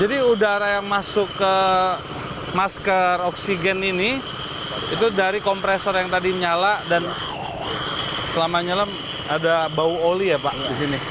jadi udara yang masuk ke masker oksigen ini itu dari kompresor yang tadi nyala dan selama nyelam ada bau oli ya pak di sini